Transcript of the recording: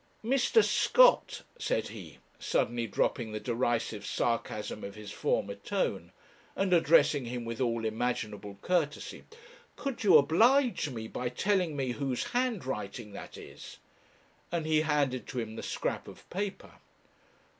'Mr. Scott,' said he, suddenly dropping the derisive sarcasm of his former tone, and addressing him with all imaginable courtesy, 'could you oblige me by telling me whose handwriting that is?' and he handed to him the scrap of paper.